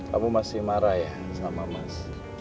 kamu masih marah ya sama mas